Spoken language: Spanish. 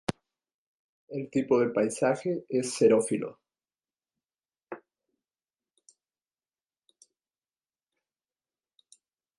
El tipo de paisaje es xerófilo.